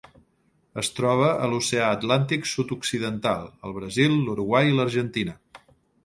Es troba a l'Oceà Atlàntic sud-occidental: el Brasil, l'Uruguai i l'Argentina.